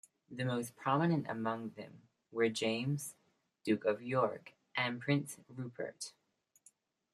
The most prominent among them were James, Duke of York, and Prince Rupert.